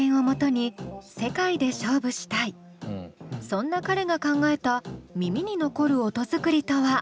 そんな彼が考えた耳に残る音作りとは？